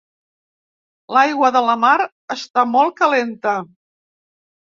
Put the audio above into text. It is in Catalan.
L'aigua de la mar està molt calenta.